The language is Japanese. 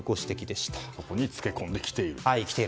そこにつけ込んできていると。